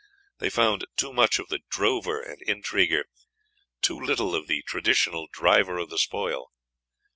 They found too much of the drover and intriguer, too little of the traditional driver of the spoil.